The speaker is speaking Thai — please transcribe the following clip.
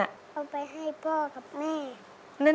เอาไปให้พ่อกับแม่